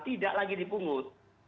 tidak lagi di pungut